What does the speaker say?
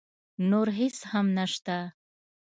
نور هېڅ هم نه شته.